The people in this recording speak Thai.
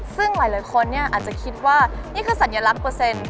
ซึ่งหลายคนอาจจะคิดว่านี่คือสัญลักษณ์เปอร์เซ็นต์